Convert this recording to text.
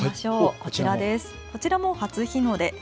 こちらも初日の出。